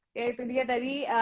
oke itu dia tadi